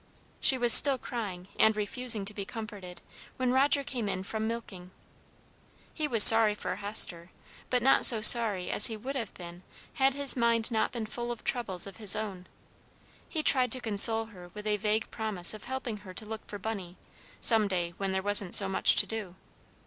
She was still crying, and refusing to be comforted, when Roger came in from milking. He was sorry for Hester, but not so sorry as he would have been had his mind not been full of troubles of his own. He tried to console her with a vague promise of helping her to look for Bunny "some day when there wasn't so much to do."